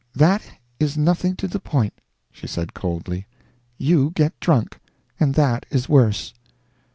"That is nothing to the point," she said, coldly, "you get drunk, and that is worse."